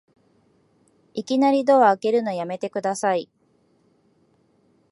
いきなりドア開けるのやめてください